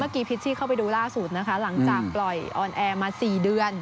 กีพิชชี่เข้าไปดูล่าสุดนะคะหลังจากปล่อยออนแอร์มา๔เดือน